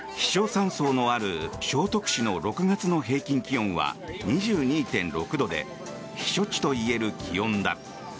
山荘のある承徳市の６月の平均気温は２２．６度で避暑地といえる気温だ。